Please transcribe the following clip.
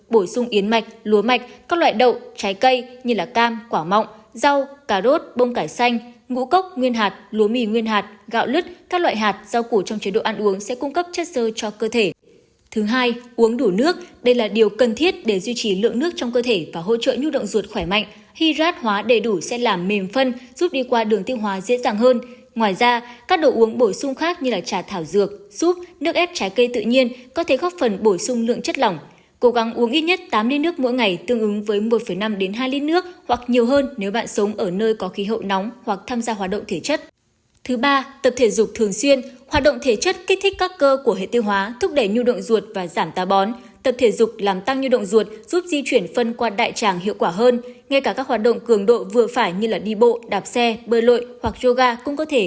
bổ sung yến mạch lúa mạch các loại đậu trái cây như cam quả mọng rau cà rốt bông cải xanh ngũ cốc nguyên hạt lúa mì nguyên hạt gạo lứt các loại hạt rau củ trong chế độ ăn uống sẽ cung cấp chất sơ cho cơ thể